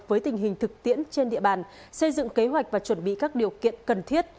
với tình hình thực tiễn trên địa bàn xây dựng kế hoạch và chuẩn bị các điều kiện cần thiết